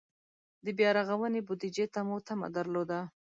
د بیا رغونې بودجې ته مو تمه درلوده.